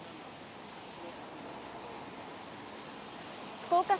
福岡市